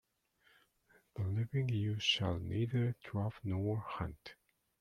The living you shall neither trap nor hunt.